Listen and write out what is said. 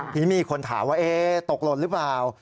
ที่มีคนถามว่าเอ๊ะตกลดหรือเปล่า